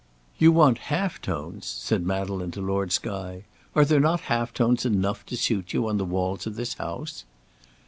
"You want half tones!" said Madeleine to Lord Skye: "are there not half tones enough to suit you on the walls of this house?"